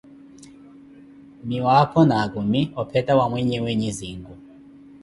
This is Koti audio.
miwaapho, na akumi, opheta wa mweyewe nyizinku.